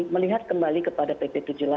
melihat kembali kepada pp tujuh puluh delapan